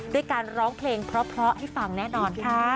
ด้วยการร้องเพลงเพราะให้ฟังแน่นอนค่ะ